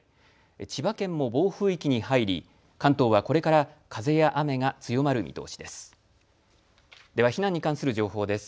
千葉県も暴風域に入り、関東はこれから風や雨が強まる見通しです。